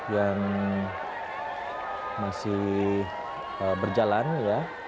yang masih berjalan ya